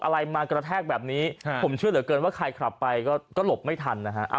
อะไรมากระแทกแบบนี้ผมเชื่อเหลือเกินว่าใครขับไปก็หลบไม่ทันนะฮะ